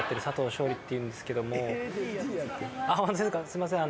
すいません